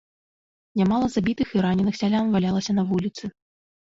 Нямала забітых і раненых сялян валялася на вуліцы.